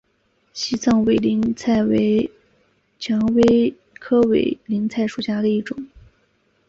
西藏委陵菜为蔷薇科委陵菜属下的一个种。